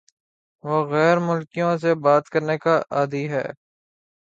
وہ غیر ملکیوں سے بات کرنے کا عادی ہے